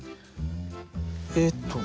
えっとね